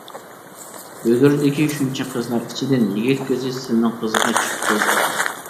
بۈگۈردىكى شۇنچە قىزلار ئىچىدىن، يىگىت كۆزى سىلنىڭ قىزغا چۈشۈپتۇ.